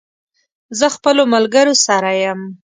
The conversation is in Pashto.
زه خپلو ملګرو سره یم